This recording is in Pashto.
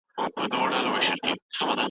ډاکټران د ناروغانو ژوند ته وده ورکوي.